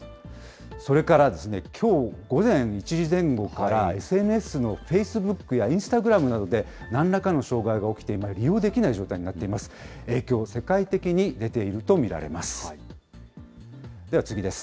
それからきょう午前１時前後から、ＳＮＳのフェイスブックやインスタグラムなどで、なんらかの障害が起きていて、今、利用できない状態になっています。